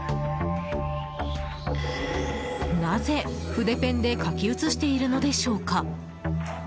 なぜ筆ペンで書き写しているのでしょうか。